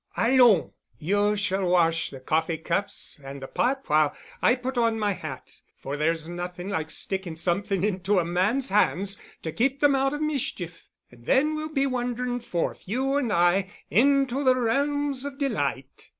Allons! You shall wash the coffee cups and the pot while I put on my hat, for there's nothing like sticking something into a man's hands to keep them out of mischief. And then we'll be wandering forth, you and I, into the realms of delight."